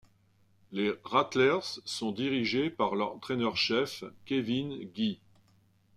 Les Rattlers sont dirigés par l'entraîneur-chef Kevin Guy.